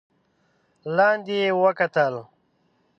لاندې يې وکتل.